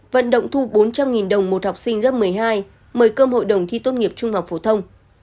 vận động thu bốn trăm linh đồng một học sinh lớp một mươi hai mời cơm hội đồng thi tốt nghiệp trung học phổ thông